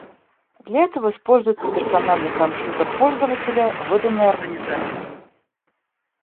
Для этого используется персональный компьютер пользователя, выданный организацией